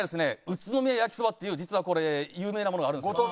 宇都宮焼きそばっていう実はこれ有名なものがあるんですよ。